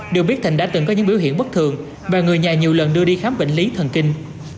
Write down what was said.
được biết thịnh đã từng có những biểu hiện bất thường và người nhà nhiều lần đưa đi khám bệnh lý thần kinh